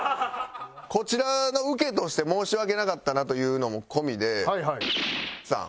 こちらの受けとして申し訳なかったなというのも込みでさん。